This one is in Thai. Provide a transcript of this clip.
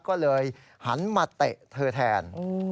ก็เลยหันมาเตะเธอแทน